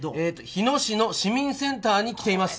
「日野市の市民センターに来ています」